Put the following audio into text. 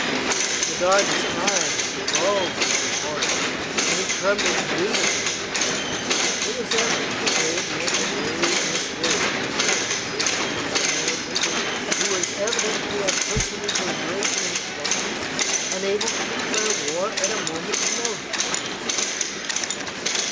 The guarde's eyes bulged with horror and he trembled visibly. It was evident they had made a grave mistake in arresting this mad American, who was evidently a personage of great importance and able to declare war at a moment's notice.